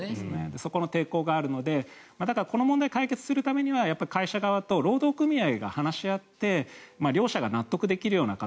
そこの抵抗があるのでこの問題を解決するためには会社側と労働組合が話し合って両者が納得できるような形。